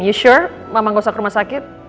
you sure mama gak usah ke rumah sakit